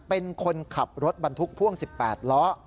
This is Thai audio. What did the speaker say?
เป็นคนขับรถบรรทุกพ่วง๑๘ล้อ